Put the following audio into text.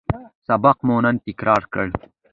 سبق مو نن تکرار کړ